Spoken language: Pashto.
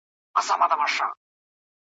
د درد بیان ته ژبه نه لرمه